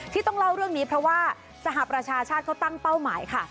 ที่ต้องเล่าเรื่องนี้เพราะว่าสหประชาชาติเขาตั้งเป้าหมายค่ะ